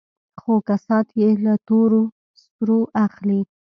خو کسات يې له تور سرو اخلي.